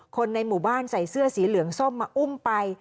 คนในหมู่บ้านใส่เสื้อสีเหลืองส้มมาอุ้มไป